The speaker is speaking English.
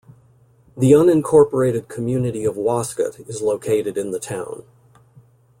The unincorporated community of Wascott is located in the town.